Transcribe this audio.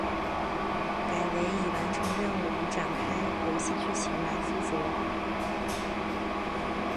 改为以完成任务与展开游戏剧情来负责。